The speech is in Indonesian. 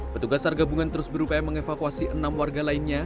petugas sargabungan terus berupaya mengevakuasi enam warga lainnya